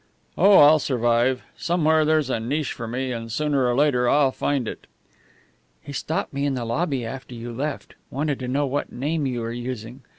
"Oh, I'll survive! Somewhere there's a niche for me, and sooner or later I'll find it." "He stopped me in the lobby after you left. Wanted to know what name you were using.